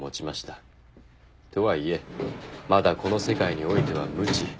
とはいえまだこの世界においては無知。